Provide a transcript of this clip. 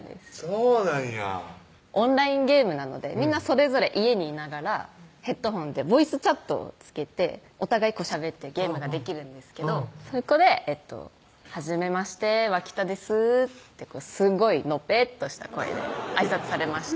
そうなんやオンラインゲームなのでみんなそれぞれ家にいながらヘッドホンでボイスチャットをつけてお互いしゃべってゲームができるんですけどそこで「はじめまして脇田です」ってすごいのぺっとした声であいさつされました